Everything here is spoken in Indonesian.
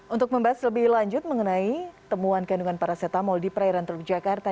untuk membahas lebih lanjut mengenai temuan kandungan parasetamol di perairan teluk jakarta